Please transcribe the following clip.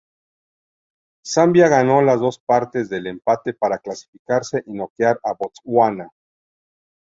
Zambia ganó las dos partes del empate para clasificarse y noquear a Botsuana.